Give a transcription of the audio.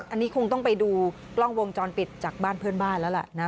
อันนี้คงต้องไปดูกล้องวงจรปิดจากบ้านเพื่อนบ้านแล้วล่ะนะ